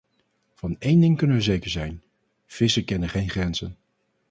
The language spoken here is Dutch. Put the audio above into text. Van één ding kunnen we zeker zijn: vissen kennen geen grenzen.